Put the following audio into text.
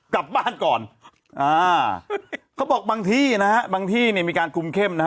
กลับบ้านก่อนอ่าเขาบอกบางที่นะฮะบางที่เนี่ยมีการคุมเข้มนะฮะ